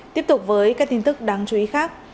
tiếp tục với các tin tức đáng chú ý khác